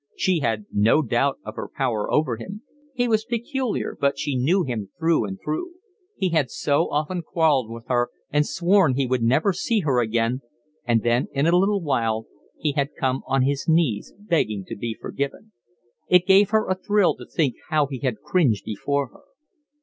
She had no doubt of her power over him. He was peculiar, but she knew him through and through. He had so often quarrelled with her and sworn he would never see her again, and then in a little while he had come on his knees begging to be forgiven. It gave her a thrill to think how he had cringed before her.